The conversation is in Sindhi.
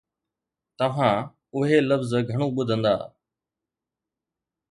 توهان اهي لفظ گهڻو ٻڌندا